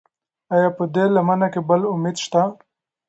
ایا په دې لمنه کې بل امید شته؟